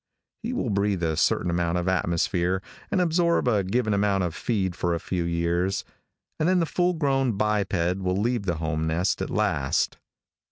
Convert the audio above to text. He will breathe a certain amount of atmosphere, and absorb a given amount of feed for a few years, and then the full grown biped will leave the home nest at last.